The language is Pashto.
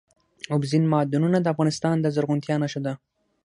اوبزین معدنونه د افغانستان د زرغونتیا نښه ده.